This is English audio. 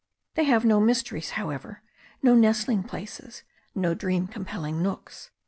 They have no mysteries, however, no nestling places, no dream compelling nooks.